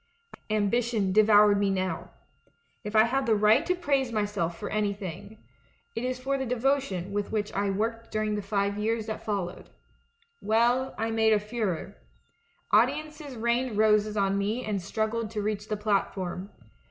Ambition devoured me now. If I have the right to praise mj'self for A LETTER TO THE DUCHESS 183 anvthincr. it is for the devotion with which I worked during the five vears that followed. '"Well, I made a furore. Audiences rained roses on me and struggled to reach the platform.